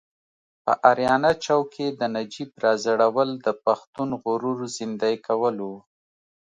په اریانا چوک کې د نجیب راځړول د پښتون غرور زیندۍ کول و.